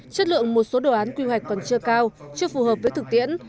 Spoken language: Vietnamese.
chất lượng một số đồ án quy hoạch còn chưa cao chưa phù hợp với thực tiễn